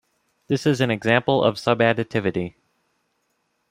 This is an example of subadditivity.